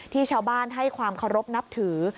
ที่ชาวบ้านให้ความเคารพนับถือ